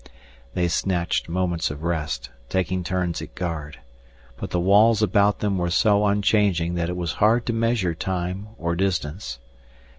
They snatched moments of rest, taking turns at guard. But the walls about them were so unchanging that it was hard to measure time or distance.